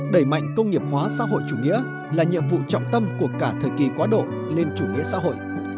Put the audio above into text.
đẩy mạnh công nghiệp hóa xã hội chủ nghĩa là nhiệm vụ trọng tâm của cả thời kỳ quá độ lên chủ nghĩa xã hội